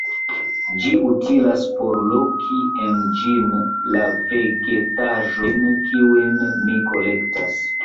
Ĝi utilas por loki en ĝin la vegetaĵojn, kiujn mi kolektas.